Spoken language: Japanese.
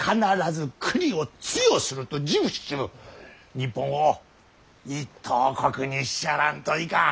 日本を一等国にしちゃらんといかん。